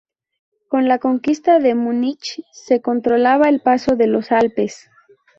Con la conquista de Múnich, se controlaba el paso de los Alpes.